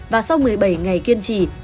và sau một mươi bảy ngày kiên trì